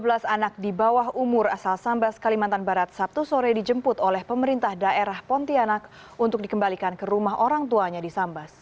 sebelas anak di bawah umur asal sambas kalimantan barat sabtu sore dijemput oleh pemerintah daerah pontianak untuk dikembalikan ke rumah orang tuanya di sambas